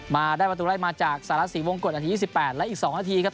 มาได้ประตูไล่มาจากสาระสี่วงกฎนาธิสิบแปดและอีก๒นาทีครับ